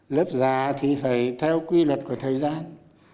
lớp già thì phải theo quy luật của thời gian